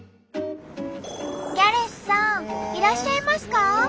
ギャレスさんいらっしゃいますか？